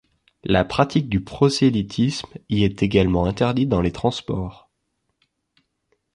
La pratique du prosélytisme y est également interdite dans les transports.